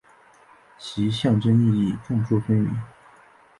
其象征意义众说纷纭。